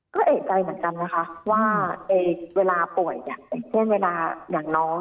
ก็เอกใจเหมือนกันนะคะว่าเวลาป่วยเนี่ยอย่างเช่นเวลาอย่างน้อง